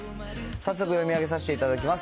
早速読み上げさせていただきます。